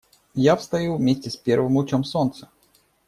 Я встаю вместе с первым лучом солнца.